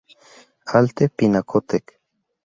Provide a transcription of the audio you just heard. Alte Pinakothek.